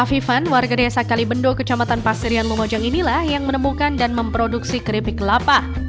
afifan warga desa kalibendo kecamatan paserian lumajang inilah yang menemukan dan memproduksi keripik kelapa